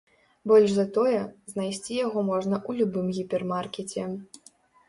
Больш за тое, знайсці яго можна ў любым гіпермаркеце.